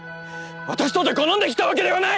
私とて好んで来たわけではない！